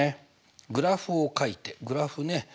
グラフをかいてグラフね。